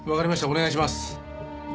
お願いします。